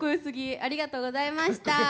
ありがとうございます。